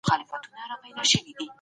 ميني د زړه سکون راولي.